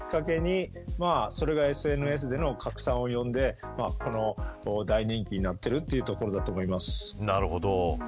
そこで報道したことをきっかけにＳＮＳでの拡散を呼んでこの大人気になっているというとことだと思います。